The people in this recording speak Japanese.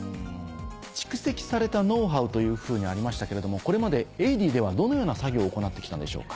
蓄積されたノウハウというふうにありましたけれどもこれまで「エイディ」ではどのような作業を行ってきたんでしょうか？